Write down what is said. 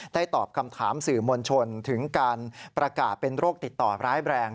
ตอบคำถามสื่อมวลชนถึงการประกาศเป็นโรคติดต่อร้ายแรง